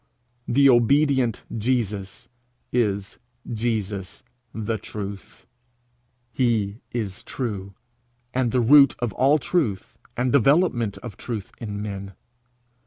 The obedient Jesus is Jesus the Truth. He is true and the root of all truth and development of truth in men.